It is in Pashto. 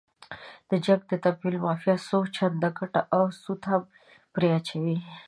د جنګ د تمویل مافیا څو چنده ګټه او سود هم پرې اچوي.